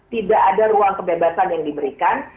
tidak ada ruang kebebasan yang diberikan